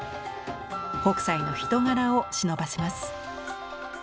北斎の人柄をしのばせます。